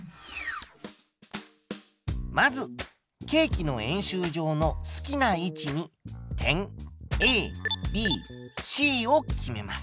まずケーキの円周上の好きな位置に点ＡＢＣを決めます。